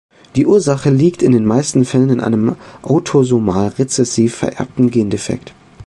Die Ursache liegt in den meisten Fällen in einem autosomal-rezessiv vererbten Gendefekt.